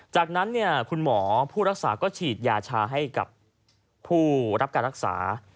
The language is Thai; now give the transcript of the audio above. จากนั้นคุณหมอผู้รักษาก็ฉีดยาชาให้กับผู้รับการรักษา